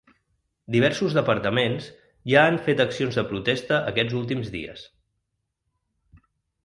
Diversos departaments ja han fet accions de protesta aquests últims dies.